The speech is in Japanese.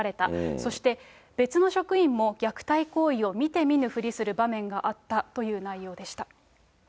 そして別の職員も、虐待行為を見て見ぬふりする場面があったという内容でした。